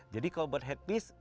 jadi kalau buat headpiece